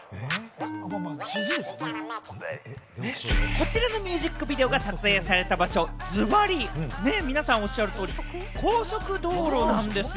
こちらのミュージックビデオが撮影された場所をズバリ、皆さんおっしゃる通り、高速道路なんですよ。